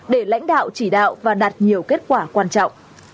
để lãnh đạo chỉ đạo và đạt nhiều kết quả quan trọng